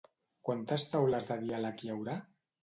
Quantes taules de diàleg hi haurà?